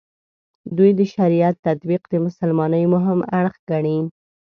دوی د شریعت تطبیق د مسلمانۍ مهم اړخ ګڼي.